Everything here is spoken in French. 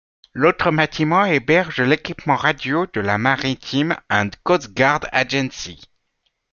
L'autre bâtiment héberge l'équipement radio de la Maritime and Coastguard Agency.